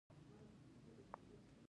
دا د هر انساني فرد عیني اهمیت روښانه کوي.